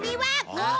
あっ！